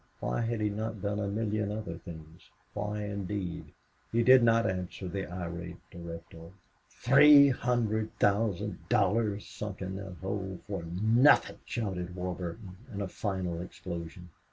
Why had he not done a million other things? Why, indeed! He did not answer the irate director. "Three hundred thousand dollars sunk in that hole for nothing!" shouted Warburton, in a final explosion.